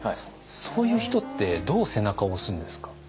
そういう人ってどう背中を押すんですか？